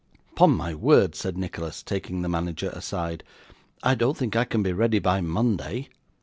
'Upon my word,' said Nicholas, taking the manager aside, 'I don't think I can be ready by Monday.